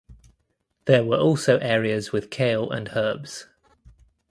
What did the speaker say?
There were also areas with kale and herbs.